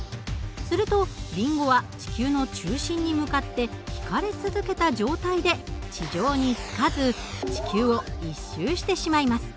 するとリンゴは地球の中心に向かって引かれ続けた状態で地上につかず地球を１周してしまいます。